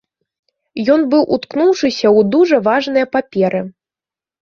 Ён быў уткнуўшыся ў дужа важныя паперы.